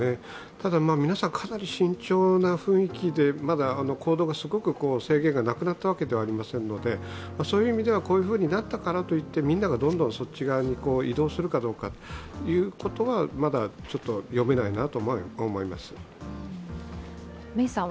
ただ皆さん、かなり慎重な雰囲気でまだ行動がすごく制限がなくなったわけではありませんのでこういうふうになったからといってみんながどんどんそっち側に移動するかは、まだ読めないなと思います。